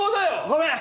ごめん！